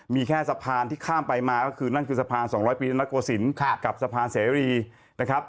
มีแค่สะพานที่ข้ามไปมาก็คือนั่นคือสะพาน๒๐๐ปีนโกศิลป์กับสะพานเสรีนะครับ